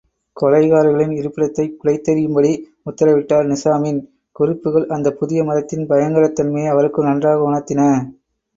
கொலைகாரர்களின் இருப்பிடத்தைக் குலைத்தெறியும்படி உத்தரவிட்டார் நிசாமின் குறிப்புகள் அந்தப் புதிய மதத்தின் பயங்கரத் தன்மையை அவருக்கு நன்றாக உணர்த்தின.